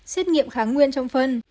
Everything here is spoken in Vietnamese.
xét nghiệm kháng nguyên trong phân